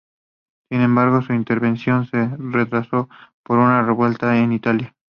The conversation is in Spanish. Sin embargo, su intervención se retrasó por una revuelta en Italia.